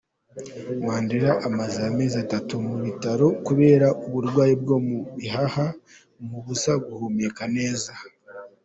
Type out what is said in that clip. Mandela amaze amezi atatu mu bitaro kubera uburwayi bwo mu bihaha bumubuza guhumeka neza.